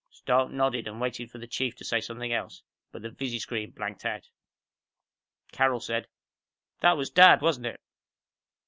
Stark nodded and waited for the Chief to say something else, but the visi screen blanked out. Carol said, "That was Dad, wasn't it?"